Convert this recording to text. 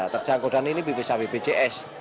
terjangkauan ini bisa bpjs